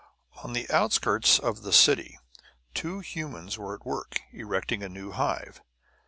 On the outskirts of the city two humans were at work, erecting a new hive.